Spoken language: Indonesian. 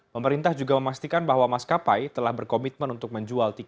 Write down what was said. pemerintah juga memastikan bahwa mas kapai telah berkomitmen untuk menjual tiket murah